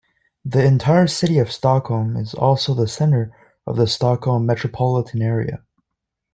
The entire city of Stockholm is also the centre of the Stockholm Metropolitan Area.